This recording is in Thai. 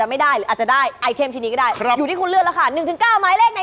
ไม้เลข๕ค่ะ